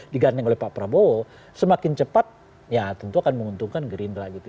digandeng oleh pak prabowo semakin cepat ya tentu akan menguntungkan gerindra gitu